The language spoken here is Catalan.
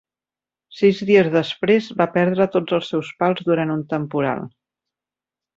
Sis dies després va perdre tots seus pals durant un temporal.